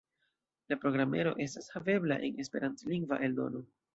La programaro estas havebla en esperantlingva eldono.